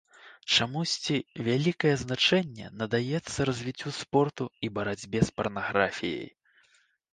Чамусьці вялікае значэнне надаецца развіццю спорту і барацьбе з парнаграфіяй.